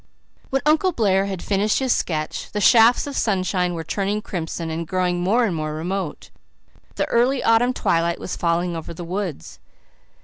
When Uncle Blair had finished his sketch the shafts of sunshine were turning crimson and growing more and more remote; the early autumn twilight was falling over the woods.